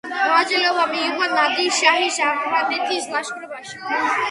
მონაწილეობა მიიღო ნადირ-შაჰის ავღანეთის ლაშქრობაში.